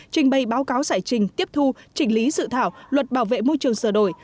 trình bày báo cáo giải trình tiếp thu trình lý sự thảo luật bảo vệ môi trường sở đổi